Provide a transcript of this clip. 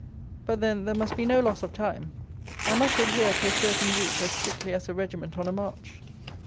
But, then, there must be no loss of time: I must adhere to a certain route as strictly as a regiment on a march.